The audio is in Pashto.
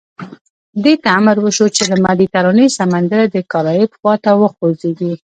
دې ته امر وشو چې له مدیترانې سمندره د کارائیب خوا ته وخوځېږي.